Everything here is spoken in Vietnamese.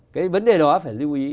cái vấn đề đó phải lưu ý